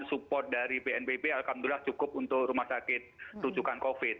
support dari bnpb alhamdulillah cukup untuk rumah sakit rujukan covid